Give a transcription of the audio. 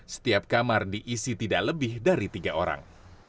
setiap kamar diisi tidak lebih dari tiga orang